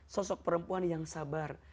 sosok perempuan yang sabar